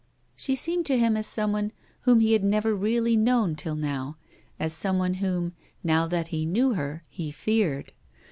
She seemed to him as someone whom he had never really known till now, as some one whom, now that he knew her, he feared.